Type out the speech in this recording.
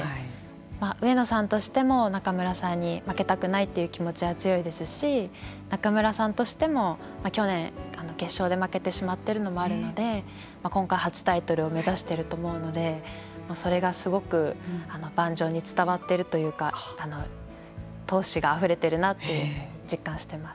上野さんとしても仲邑さんに負けたくないという気持ちが強いですし仲邑さんとしても去年決勝で負けてしまっているのもあるので今回、初タイトルを目指していると思うのでそれがすごく盤上に伝わっているというか闘志があふれてるなと実感しています。